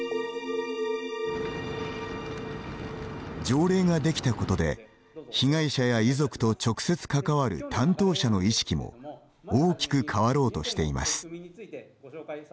条例ができたことで被害者や遺族と直接関わる担当者の意識も大きく変わろうとしています。